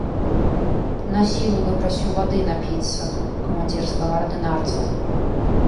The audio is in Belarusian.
Насілу выпрасіў вады напіцца ў камандзірскага ардынарца.